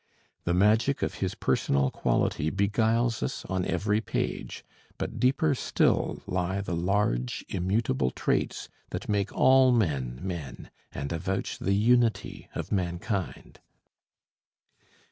The magic of his personal quality beguiles us on every page; but deeper still lie the large, immutable traits that make all men men, and avouch the unity of mankind.